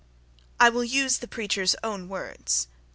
I will use the preacher's own words.